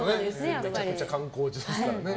めちゃくちゃ観光地ですから。